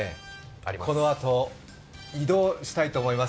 このあと移動したいと思います。